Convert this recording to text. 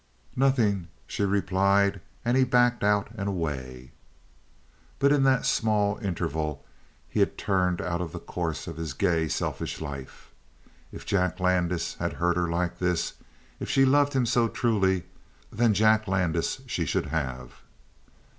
"Nothing," she replied, and he backed out and away. But in that small interval he had turned out of the course of his gay, selfish life. If Jack Landis had hurt her like this if she loved him so truly then Jack Landis she should have.